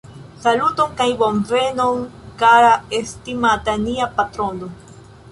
Saluton kaj bonvenon kara estimata, nia patrono